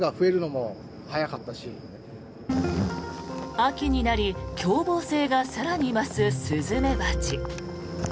秋になり凶暴性が更に増すスズメバチ。